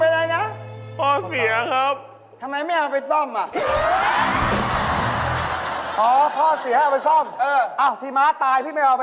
โดนลุ้มต่อยพี่